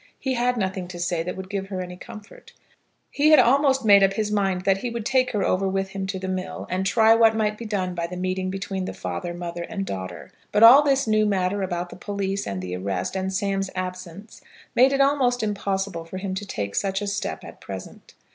He had nothing to say that would give her any comfort. He had almost made up his mind that he would take her over with him to the mill, and try what might be done by the meeting between the father, mother, and daughter, but all this new matter about the police and the arrest, and Sam's absence, made it almost impossible for him to take such a step at present.